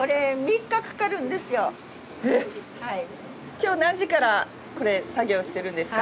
今日何時からこれ作業してるんですか？